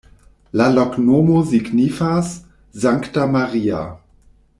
La loknomo signifas: Sankta Maria.